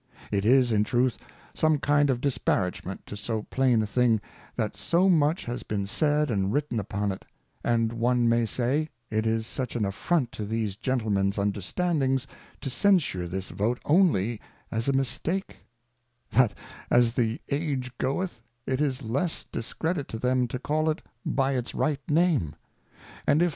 It is, in truth, some kind of Disparagement to so plain a thing, that so much has been said and written upon it ; and one may say, It is such an Affront to these Gentlemens Understandings to censure this Vote only as a Mistake, that, as the Age goeth, it is less Discredit to them to call it by its right Name ; and if that 3Iembers in Parliament.